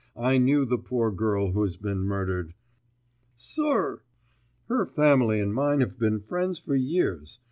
I knew the poor girl who has been murdered." "Sir!" "Her family and mine have been friends for years.